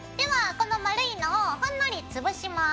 この丸いのをほんのり潰します。